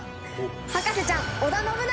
『博士ちゃん』織田信長